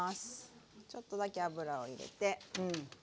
ちょっとだけ油を入れて。